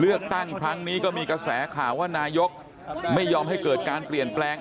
เลือกตั้งครั้งนี้ก็มีกระแสข่าวว่านายกไม่ยอมให้เกิดการเปลี่ยนแปลง